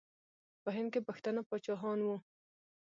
په هند کې پښتانه پاچاهان وو.